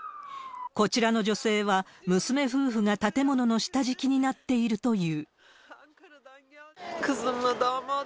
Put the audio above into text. こちらの女性は、娘夫婦が建物の下敷きになっているという。